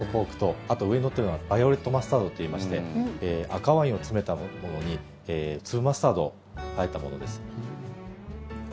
低温調理のローストポークとあと、上に乗っているのはバイオレットマスタードといいまして赤ワインを詰めたものに粒マスタードをあえたものです。